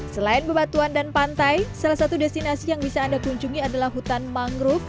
selain bebatuan dan pantai salah satu destinasi yang bisa anda kunjungi adalah hutan mangrove